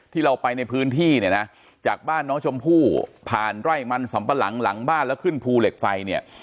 ที่เราไปในพื้นที่เนี่ยนะจากบ้านน้องชมพู่ผ่านไร่มันสำปะหลังหลังบ้านแล้วขึ้นภูเหล็กไฟเนี่ย